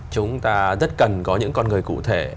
chúng ta rất cần có những con người cụ thể